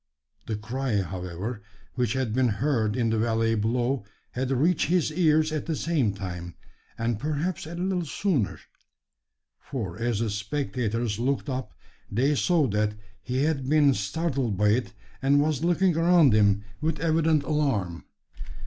The cry, however, which had been heard in the valley below had reached his ears at the same time, and perhaps a little sooner: for as the spectators looked up, they saw that he had been startled by it, and was looking around him with evident alarm.